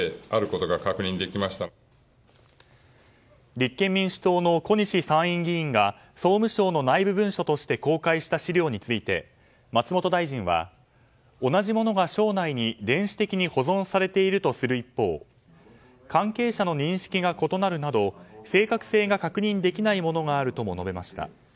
立憲民主党の小西参院議員が総務省の内部文書として公開した資料について松本大臣は、同じものが省内に電子的に保存されているとする一方関係者の認識が異なるなど正確性が確認できないものがあるとも述べました。